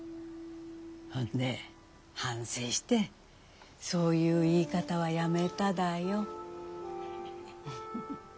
ほんで反省してそういう言い方はやめただよ。